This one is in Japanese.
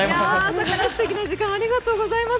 朝からすてきな時間をありがとうございます。